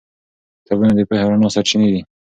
کتابونه د پوهې او رڼا سرچینې دي.